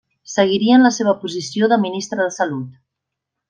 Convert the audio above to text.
Seguiria en la seva posició de Ministre de Salut.